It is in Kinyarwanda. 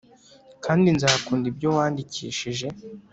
Kandi nzakunda ibyo wandikishije